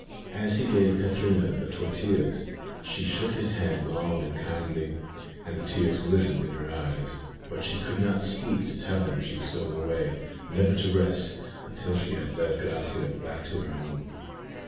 As he gave Catrina the tortillas she shook his hand long and kindly, and the tears glistened in her eyes, but she could not speak to tell him she was going away, never to rest, until she had led Gracia back to her home.